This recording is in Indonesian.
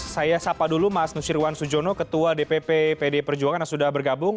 saya sapa dulu mas nusyirwan sujono ketua dpp pd perjuangan yang sudah bergabung